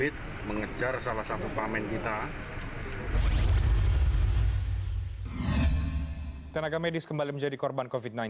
tenaga medis kembali menjadi korban covid sembilan belas